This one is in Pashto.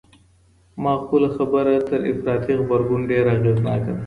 معقوله خبره تر افراطي غبرګون ډېره اغېزناکه ده.